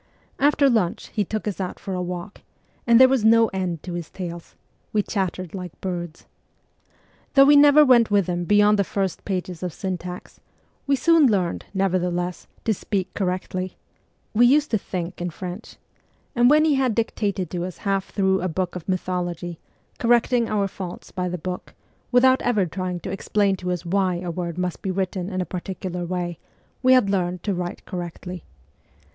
After lunch he took us out for a walk, and there was no end to his tales : we chattered like birds. Though we never went with him beyond the first pages of syntax, we soon learned, nevertheless, ' to speak correctly ;' we used to think in French ; and when he had dictated to us half through a book of mythology, correcting our faults by the book, without ever trying to explain to us why a word must be written in a particular way, we had learned ' to write correctly.'